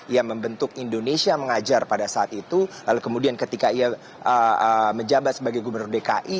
ia membentuk indonesia mengajar pada saat itu lalu kemudian ketika ia menjabat sebagai gubernur dki